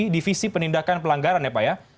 divisi penindakan pelanggaran ya pak ya